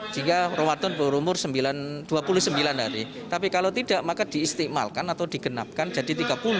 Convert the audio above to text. jika ramadan berumur dua puluh sembilan hari tapi kalau tidak maka diistimalkan atau digenapkan jadi tiga puluh